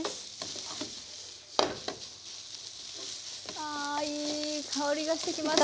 あいい香りがしてきました。